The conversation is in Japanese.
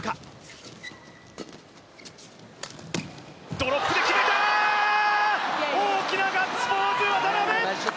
ドロップで決めた、大きなガッツポーズ、渡辺！